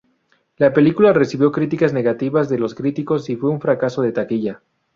La película recibió críticas negativas de los críticos y fue un fracaso de taquilla.